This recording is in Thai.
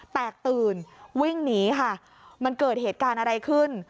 แตกตื่นวิ่งหนีค่ะมันเกิดเหตุการณ์อะไรขึ้น